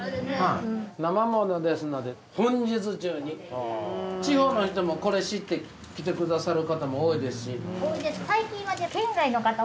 「生ものですので本日中に」地方の人もこれ知って来てくださる方も多いですし。